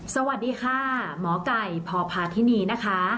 สวัสดีค่ะหมอกัยพอพาที่นี่นะคะ